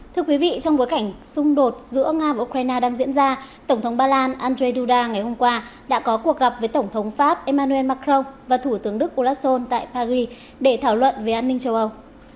thưa quý vị trong bối cảnh xung đột giữa nga và ukraine đang diễn ra tổng thống ba lan andrzej duda ngày hôm qua đã có cuộc gặp với tổng thống pháp emmanuel macron và thủ tướng đức olaf schol tại paris để thảo luận về an ninh châu âu